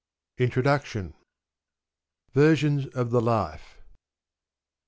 INTRODUCTION Versions of "The Life."